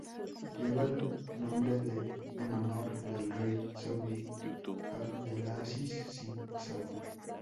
Lleva el nombre en honor del Rey saudí Abdelaziz bin Saud.